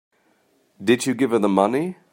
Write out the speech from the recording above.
Did you give her the money?